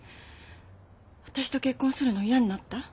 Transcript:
私と結婚するの嫌になった？